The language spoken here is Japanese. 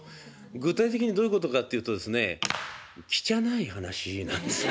具体的にどういうことかっていうとですねきちゃない話なんですね。